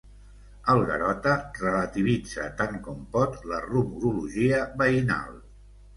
El Garota relativitza tant com pot la rumorologia veïnal.